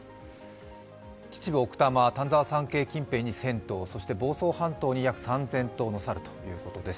秩父、奥多摩、丹沢山系近辺に１０００頭、そして房総半島に約３０００頭の猿ということです